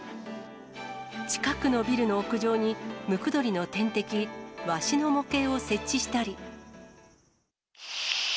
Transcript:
近くのビルの屋上に、ムクドリの天敵、ワシの模型を設置したり。